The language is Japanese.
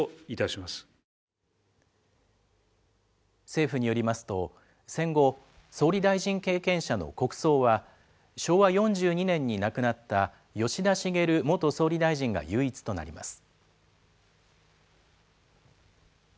政府によりますと、戦後、総理大臣経験者の国葬は、昭和４２年に亡くなった吉田茂元総理大臣が唯一となります。